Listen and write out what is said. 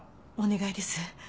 お願いです。